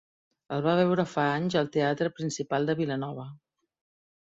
El va veure fa anys al Teatre Principal de Vilanova.